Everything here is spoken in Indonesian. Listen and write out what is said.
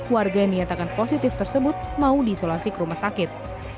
warga yang dinyatakan positif tersebut mau diisolasi ke rumah sakit